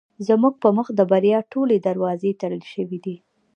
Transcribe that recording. زموږ په مخ د بریا ټولې دروازې تړل شوې دي.